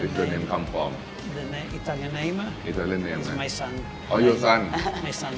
เปิดปิดกี่โมงครับในแต่ละสาขา